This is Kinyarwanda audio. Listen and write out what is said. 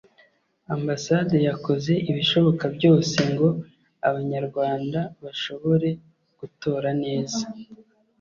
Ambasade yakoze ibishoboka byose ngo Abanyarwanda bashobore gutora neza